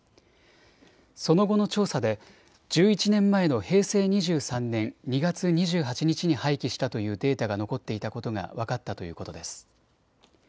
その後の調査で１１年前の平成２３年２月２８日に廃棄したというデータが残っていたことが分かったということです。